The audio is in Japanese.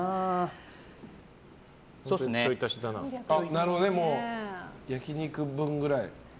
なるほどね、焼き肉分ぐらい。